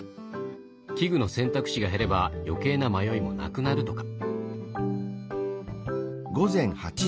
器具の選択肢が減れば余計な迷いもなくなるとか。